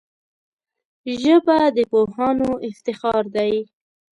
ژبه د پوهانو افتخار دی